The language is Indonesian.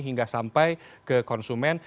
hingga sampai ke konsumen